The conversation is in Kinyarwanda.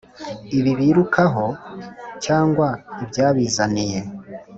ibibirukaho cyangwa ibyabizaniye.